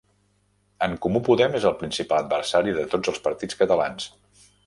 En Comú Podem és el principal adversari de tots els partits catalans.